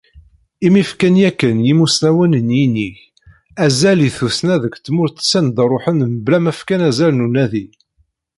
Imi fkan yakan yimussnawen n yinig azal i tussna deg tmurt s anda ruḥen mebla ma fkan azal n unadi.